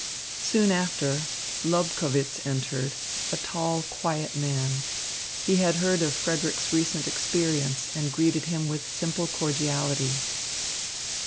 Soon after, Lobkowitz entered, a tall, quiet man. He had heard of Frederick's recent experience, and greeted him with simple cordiality.